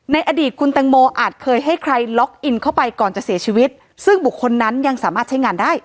ในอดีตคุณแตงโมอาจเคยให้ใครล็อกอินเข้าไปก่อนจะเสียชีวิตซึ่งบุคคลนั้นยังสามารถใช้งานได้